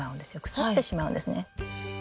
腐ってしまうんですね。